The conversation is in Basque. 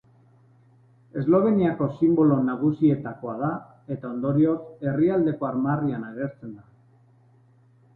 Esloveniako sinbolo nagusietakoa da eta ondorioz herrialdeko armarrian agertzen da.